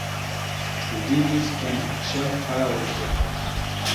Li vivis en Ŝafhaŭzo.